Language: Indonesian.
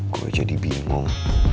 gue jadi bingung